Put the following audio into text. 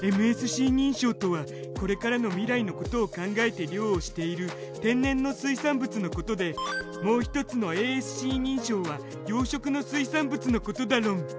ＭＳＣ認証とはこれからの未来のことを考えて漁をしている天然の水産物のことでもう一つのａｓｃ認証は養殖の水産物のことだろん。